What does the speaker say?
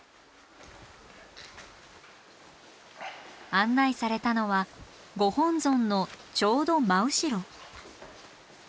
案内されたのは御本尊のちょうど真後ろ。